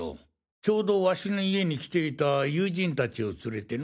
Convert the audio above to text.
ちょうどワシの家に来ていた友人たちを連れての。